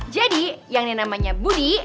jadi yang ini namanya budi